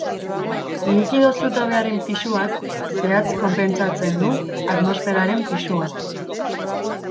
Likido zutabearen pisuak, zehatz konpentsatzen du atmosferaren pisua.